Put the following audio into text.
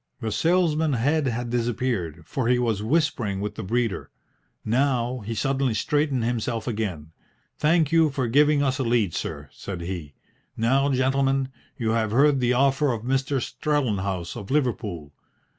The salesman's head had disappeared, for he was whispering with the breeder. Now he suddenly straightened himself again. "Thank you for giving us a lead, sir," said he. "Now, gentlemen, you have heard the offer of Mr. Strellenhaus of Liverpool.